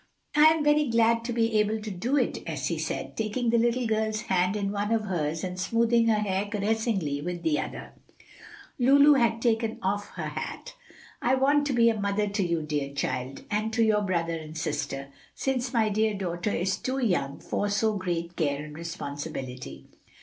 "I am very glad to be able to do it," Elsie said, taking the little girl's hand in one of hers and smoothing her hair caressingly with the other for Lulu had taken off her hat. "I want to be a mother to you, dear child, and to your brother and sister, since my dear daughter is too young for so great care and responsibility.